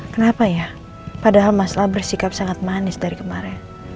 kenapa ya padahal masalah bersikap sangat manis dari kemarin